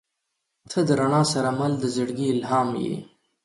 • ته د رڼا سره مل د زړګي الهام یې.